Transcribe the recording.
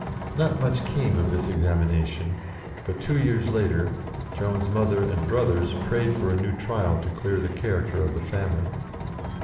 Not much came of this examination, but, two years later, Joan's mother and brothers prayed for a new trial to clear the character of the family.